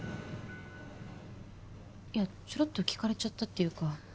いやちょろっと聞かれちゃったっていうか。